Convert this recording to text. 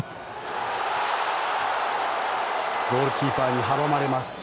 ゴールキーパーに阻まれます。